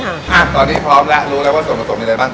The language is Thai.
ฮะตอนนี้พร้อมแล้วรู้แล้วว่าส่วนประสบนี้เลยก็บ้าง